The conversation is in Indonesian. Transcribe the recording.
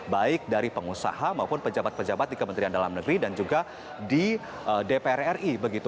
baik dari pengusaha maupun pejabat pejabat di kementerian dalam negeri dan juga di dpr ri